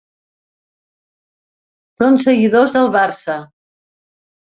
Són seguidors del Barça.